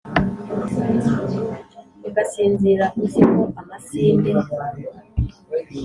ugasinzira uziko amasinde